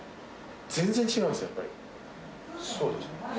全然違うんですよ、やっぱり。